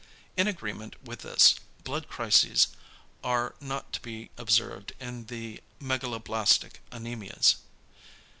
In agreement with this, "blood crises" are not to be observed in the megaloblastic anæmias.